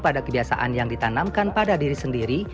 pada kebiasaan yang ditanamkan pada diri sendiri